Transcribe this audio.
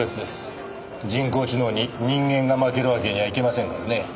人工知能に人間が負けるわけにはいきませんからね。